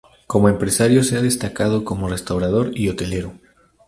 Como empresario se ha destacado como restaurador y hotelero.